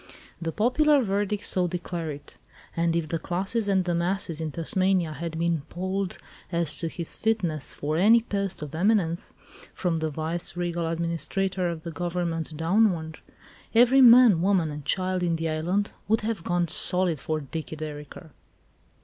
The popular verdict so declared it. And if the "classes and the masses" in Tasmania had been polled as to his fitness for any post of eminence, from the vice regal administrator of the government downward, every man, woman and child in the island would have gone "solid" for "Dicky Dereker."